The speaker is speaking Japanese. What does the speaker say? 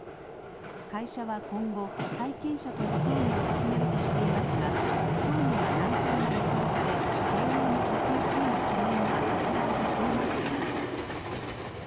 会社は今後、債権者との協議を進めるとしていますが、協議は難航が予想され、経営の先行きへの懸念が一段と強まっています。